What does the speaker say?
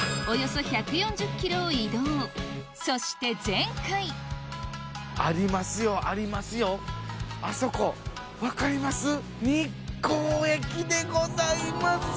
およそ１４０ｋｍを移動そして前回ありますよありますよあそこ分かります？